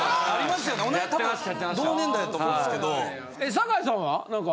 酒井さんは？何か。